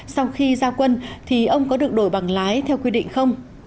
sau khi ra quân thì ông có được đổi bằng lái theo quy định không